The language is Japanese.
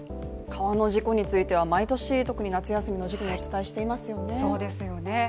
川の事故については毎年、特に夏休みの時期にお伝えしていますよね。